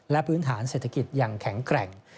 และพื้นฐานเศรษฐกิจอย่างแข็งแกร่ง